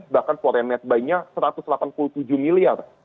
bahkan forei netbuy nya satu ratus delapan puluh tujuh miliar